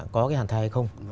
có cái hàn thai hay không